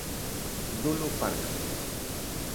Dolo Parga.